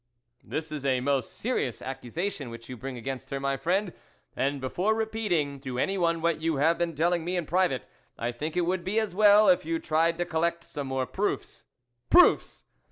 "This is a most serious accusation which you bring against her, my friend; and before repeating to anyone what you have been telling me in private, I think it would be as well if you tried to collect some more proofs." " Proofs